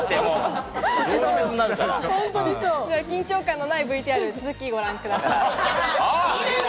緊張感のないＶＴＲ、続きをご覧ください。